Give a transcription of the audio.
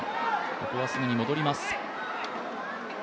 ここはすぐに戻ります。